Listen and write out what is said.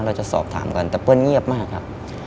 เราจะสอบถามกันแต่เปิ้ลเงียบมากครับ